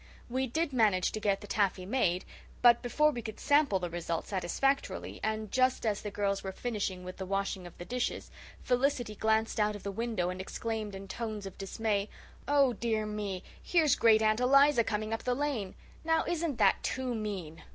We did manage to get the taffy made but before we could sample the result satisfactorily, and just as the girls were finishing with the washing of the dishes, Felicity glanced out of the window and exclaimed in tones of dismay, "Oh, dear me, here's Great aunt Eliza coming up the lane! Now, isn't that too mean?"